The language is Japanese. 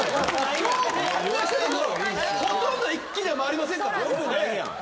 ほとんど一気では回りませんから。